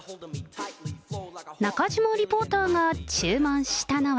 中島リポーターが注文したのは。